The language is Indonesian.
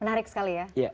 menarik sekali ya